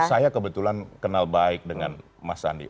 saya kebetulan kenal baik dengan mas sandi